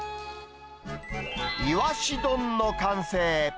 いわし丼の完成。